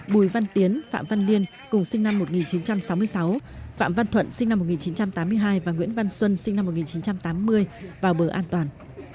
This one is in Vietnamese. bùi văn tiến phạm văn liên cùng sinh năm một nghìn chín trăm sáu mươi sáu phạm văn thuận sinh năm một nghìn chín trăm tám mươi hai và nguyễn văn xuân sinh năm một nghìn chín trăm tám mươi vào bờ an toàn